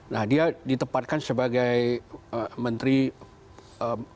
nah dia ditepatkan sebagai menteri koordinator politik